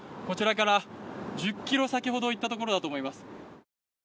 こちらから１０ｋｍ先ほど行ったところだと思います。